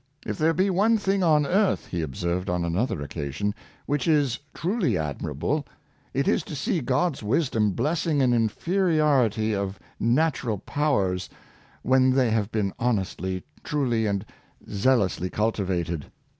" If there be one thing on earth," he observed on another occasion, *' which is truly admirable, it is to see God's wisdom blessing an inferiority of natural powers, when they have been honestly, truly, and zealously cultivated."